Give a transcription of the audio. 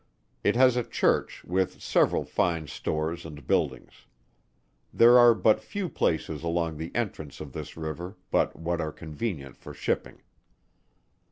It has a Church with several fine stores and buildings. There are but few places along the entrance of this river but what are convenient for shipping.